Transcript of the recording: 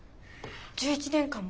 １１年間も？